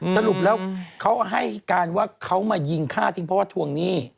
สรุปแล้วเขาให้การว่าเขามายิงฆ่าทิ้งเพราะว่าทวงหนี้